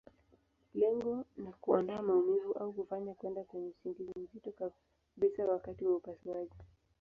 Lengo ni kuondoa maumivu, au kufanya kwenda kwenye usingizi mzito kabisa wakati wa upasuaji.